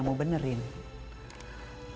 aku mau ke sana